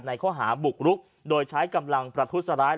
ข้อหาบุกรุกโดยใช้กำลังประทุษร้าย